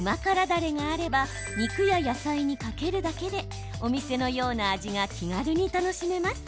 だれがあれば肉や野菜にかけるだけでお店のような味が気軽に楽しめます。